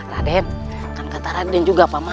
raden kan kata raden juga paman